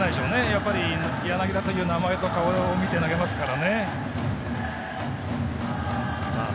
やっぱり、柳田という名前と顔を見て投げますから。